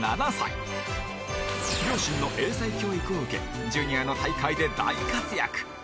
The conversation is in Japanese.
両親の英才教育を受けジュニアの大会で大活躍